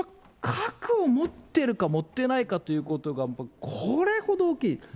核を持ってるか持ってないかということがこれほど大きい。